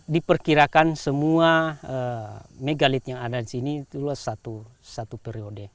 diperkirakan semua megalit yang ada di sini itulah satu periode